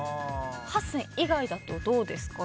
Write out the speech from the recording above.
８選以外だとどうですか？